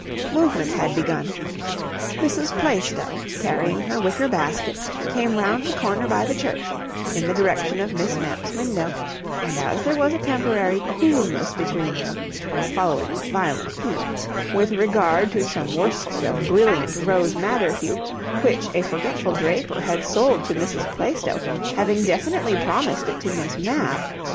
Movement had begun; Mrs. Plaistow, carrying her wicker basket, came round the corner by the church, in the direction of Miss Mapp's window, and as there was a temporary coolness between them (following violent heat) with regard to some worsted of brilliant rose madder hue, which a forgetful draper had sold to Mrs. Plaistow, having definitely promised it to Miss Mapp